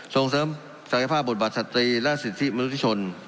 ส่งเสริมศักดิ์สมัครประชาติและสิทธิมนุษย์ที่ชน